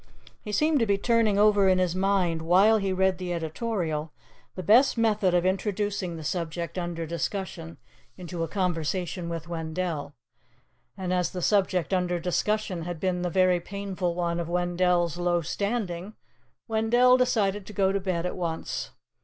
He seemed to be turning over in his mind, while he read the editorial, the best method of introducing the subject under discussion into a conversation with Wendell; and as the subject under discussion had been the very painful one of Wendell's low standing, Wendell decided to go to bed at once.